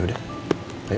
kayak pernah ketemu